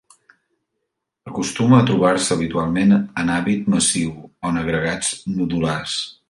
Acostuma a trobar-se habitualment en hàbit massiu, o en agregats nodulars.